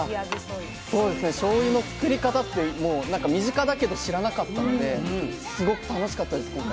しょうゆの造り方ってもうなんか身近だけど知らなかったのですごく楽しかったです今回。